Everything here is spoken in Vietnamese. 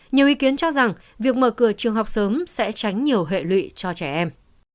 nhiều ý kiến cho rằng việc mở cửa trường học sớm sẽ tránh nhiều hệ lụy cho trẻ em